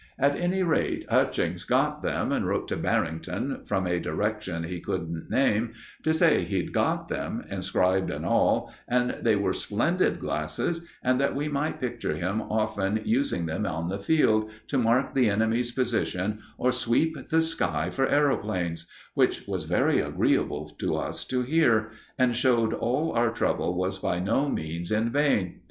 At any rate, Hutchings got them, and wrote to Barrington, from a direction he couldn't name, to say he'd got them, inscribed and all, and that they were splendid glasses, and that we might picture him often using them on the field, to mark the enemy's position or sweep the sky for aeroplanes; which was very agreeable to us to hear, and showed all our trouble was by no means in vain.